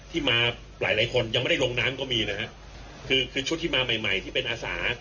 ที่มาหลายหลายคนยังไม่ได้ลงน้ำก็มีนะฮะคือคือชุดที่มาใหม่ใหม่ที่เป็นอาสา